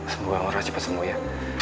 semoga cepat sembuh ya